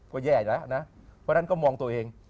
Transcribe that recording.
ก็แย่แล้วนะเพราะฉะนั้นก็มองตัวเอง